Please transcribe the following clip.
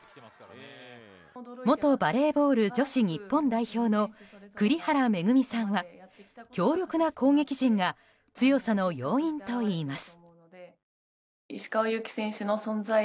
元バレーボール女子日本代表の栗原恵さんは強力な攻撃陣が強さの要因と言います。